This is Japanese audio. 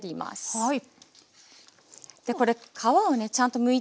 はい。